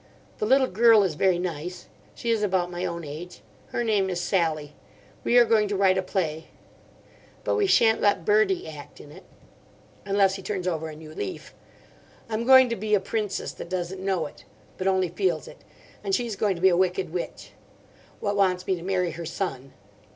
The little girl is very nice. She is about my own age. Her name is Sally. We are going to write a play. But we sha'n't let Bertie act in it. Unless he turns over a new leaf. I'm going to be a princess that doesn't know it. But only feels it. And she's going to be a wicked witch. What wants me to marry her son.